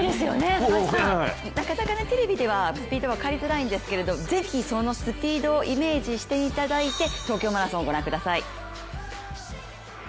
なかなかテレビではスピードは分かりづらいんですけれどもぜひ、そのスピードをイメージしていただいて東京マラソン、ご覧ください。